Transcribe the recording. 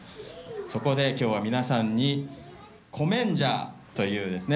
そこで今日は皆さんにコメンジャーというですね